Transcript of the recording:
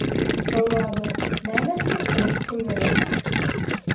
Şol bada "Nämetjekdiň, pul berip?